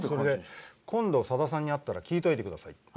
今度、さださんに会ったら聞いておいてくださいって。